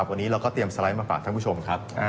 วันนี้เราก็เตรียมสไลด์มาฝากท่านผู้ชมครับ